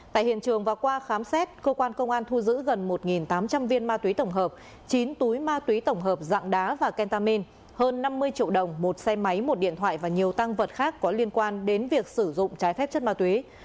tại hiện trường và qua khám xét cơ quan công an thu giữ gần một tám trăm linh viên ma túy tổng hợp chín túi ma túy tổng hợp dạng đá và kentamin hơn năm mươi triệu đồng một xe máy một điện thoại và nhiều tăng vật khác có liên quan đến việc sử dụng trái phép chất ma túy